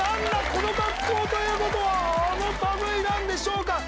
この格好ということはあの類いなんでしょうか？